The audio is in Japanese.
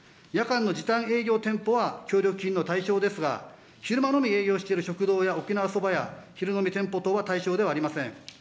夜間の時短営業店舗は協力金の対象ですが、昼間のみ営業している食堂や沖縄そば屋、昼のみ店舗等は対象ではありません。